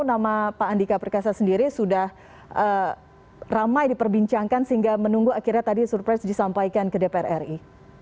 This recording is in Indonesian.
nama pak andika perkasa sendiri sudah ramai diperbincangkan sehingga menunggu akhirnya tadi surprise disampaikan ke dpr ri